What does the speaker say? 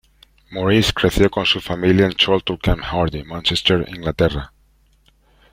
Maurice creció con su familia en Chorlton-cum-Hardy, Mánchester, Inglaterra.